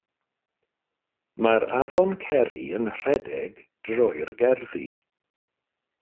Mae'r Afon Ceri'n rhedeg drwy'r gerddi.